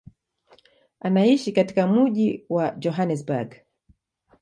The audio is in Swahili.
Anaishi katika mji wa Johannesburg.